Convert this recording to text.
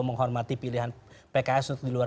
menghormati pilihan pks untuk di luar